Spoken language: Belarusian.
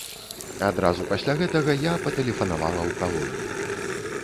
Адразу пасля гэтага я патэлефанавала ў калонію.